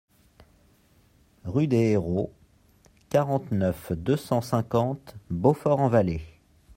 Rue des Airaults, quarante-neuf, deux cent cinquante Beaufort-en-Vallée